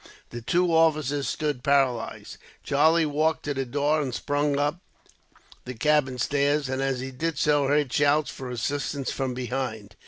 The two officers stood paralysed. Charlie walked to the door, and sprang up the cabin stairs; and, as he did so, heard shouts for assistance from behind.